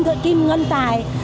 sản phẩm kim ngân tài